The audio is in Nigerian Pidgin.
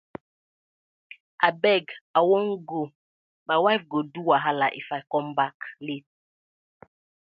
Abeg I wan go, my wife go do wahala If com back late.